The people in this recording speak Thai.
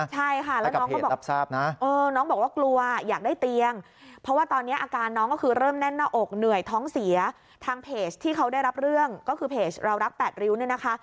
ใช่ค่ะแล้วน้องก็บอกน้องบอกว่ากลัวอยากได้เตียงเพราะว่าตอนนี้อาการน้องก็คือเริ่มแน่นหน้าอกเหนื่อยท้องเสียทางเพจที่เขาได้รับเรื่องก็คือเพจเรารัก๘ริ้วเนี่ยนะคะ